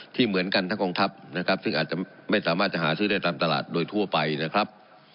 ที่เหมือนกันทั้งกองทัพนะครับซึ่งอาจจะไม่สามารถจะหาซื้อได้ตามตลาดโดยทั่วไปนะครับ